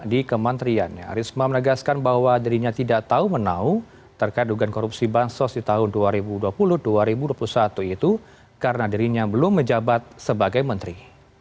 di kementeriannya risma menegaskan bahwa dirinya tidak tahu menau terkait dugaan korupsi bansos di tahun dua ribu dua puluh dua ribu dua puluh satu itu karena dirinya belum menjabat sebagai menteri